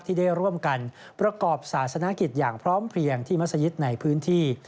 ที่ได้ร่วมกันประกอบศาสนกิจอย่างพร้อมเพลียงที่มัศยิตในพื้นที่